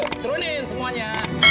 ayo turunin semuanya